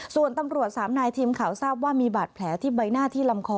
ส่วนตำรวจสามนายทีมข่าวทราบว่ามีบาดแผลที่ใบหน้าที่ลำคอ